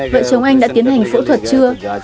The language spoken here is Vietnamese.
vợ chồng anh đã tiến hành phẫu thuật chưa